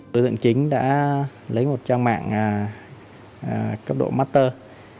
đối tượng chính đã lấy một trang mạng cấp độ matter